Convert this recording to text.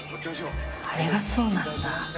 あれがそうなんだ。